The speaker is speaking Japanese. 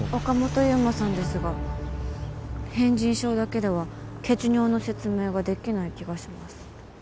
岡本優馬さんですが片腎症だけでは血尿の説明ができない気がします。